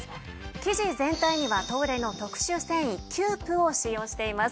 生地全体には東レの特殊繊維キュープを使用しています。